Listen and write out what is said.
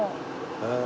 へえ。